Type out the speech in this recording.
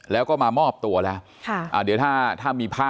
แล้วก็มามอบตัวแล้วค่ะ